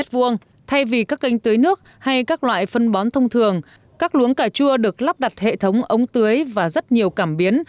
thay vì các kênh tưới nước hay các loại phân bón thông thường các luống cà chua được lắp đặt hệ thống ống tưới và rất nhiều cảm biến